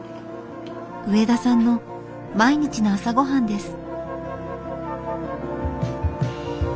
植田さんの毎日の朝ごはんです。